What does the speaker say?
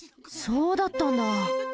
そうだったんだ。